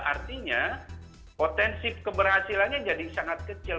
artinya potensi keberhasilannya jadi sangat kecil